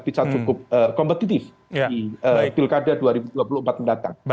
bisa cukup kompetitif di pilkada dua ribu dua puluh empat mendatang